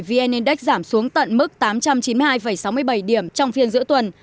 các nhà đầu tư đã đẩy vn index giảm xuống tận mức tám trăm chín mươi hai sáu mươi bảy điểm trong phiên giữa tuần